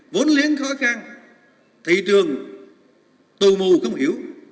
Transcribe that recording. vốn liếng khó khăn thị trường tù mù không hiểu